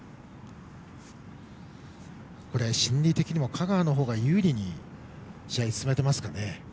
心理的にも香川のほうが有利に試合を進めていますかね。